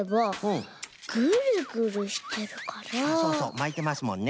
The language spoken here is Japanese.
まいてますもんね